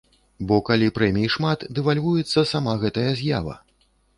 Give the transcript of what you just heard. Бо калі прэмій шмат, дэвальвуецца сама гэтая з'ява!